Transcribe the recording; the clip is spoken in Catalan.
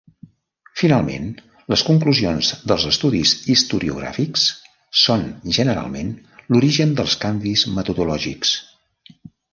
Finalment, les conclusions dels estudis historiogràfics són, generalment, l'origen dels canvis metodològics.